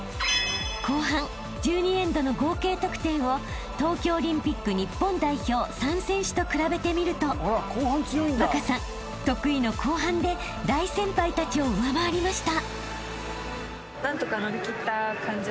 ［後半１２エンドの合計得点を東京オリンピック日本代表３選手と比べてみると稚さん得意の後半で大先輩たちを上回りました］